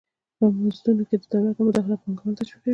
په مزدونو کې د دولت نه مداخله پانګوال تشویقوي.